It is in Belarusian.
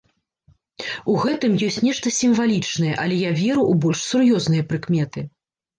У гэтым ёсць нешта сімвалічнае, але я веру ў больш сур'ёзныя прыкметы.